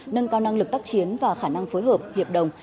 nâng cao năng lực tác chiến và khả năng phối hợp hiệp đồng